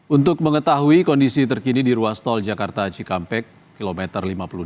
untuk mengetahui kondisi terkini di ruas tol jakarta cikampek kilometer lima puluh delapan